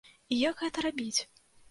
І як гэта рабіць?